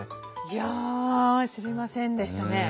いや知りませんでしたね。